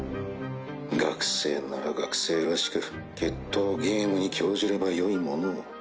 学生なら学生らしく決闘ゲームに興じればよいものを。